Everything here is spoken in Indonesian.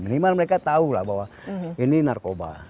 minimal mereka tahu lah bahwa ini narkoba